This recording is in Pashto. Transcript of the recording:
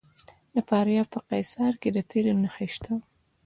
د فاریاب په قیصار کې د تیلو نښې شته.